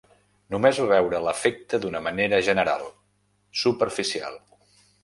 Només va veure l'efecte d'una manera general, superficial.